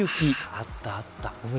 あったあった。